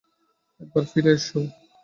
একবার ফিরে এসো।